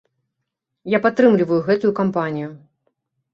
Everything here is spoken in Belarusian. Я падтрымліваю гэтую кампанію!